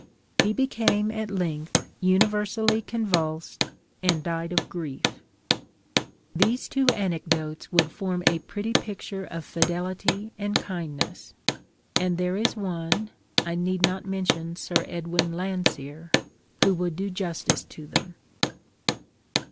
He became, at length, universally convulsed, and died of grief. These two anecdotes would form a pretty picture of fidelity and kindness, and there is one (I need not mention Sir Edwin Landseer) who would do justice to them.